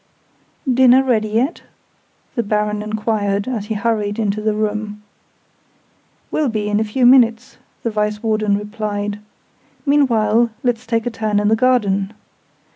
"Dinner ready yet?" the Baron enquired, as he hurried into the room. "Will be in a few minutes," the Vice Warden replied. "Meanwhile, let's take a turn in the garden.